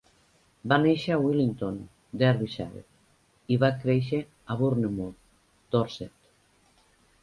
Va néixer a Willington, Derbyshire, i va créixer a Bournemouth, Dorset.